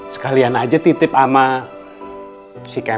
sekalian aja titip sama si kemet